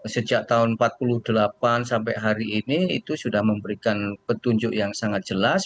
sejak tahun seribu sembilan ratus empat puluh delapan sampai hari ini itu sudah memberikan petunjuk yang sangat jelas